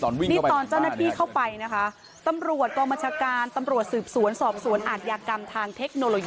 นี่ตอนเจ้าหน้าที่เข้าไปนะคะตำรวจกรมชาการ